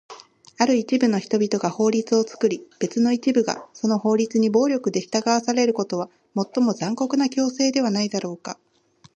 ある一部の人々が法律を作り、別の一部がその法律に暴力で従わされることは、最も残酷な強制ではないだろうか？